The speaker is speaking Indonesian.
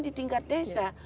di tingkat desa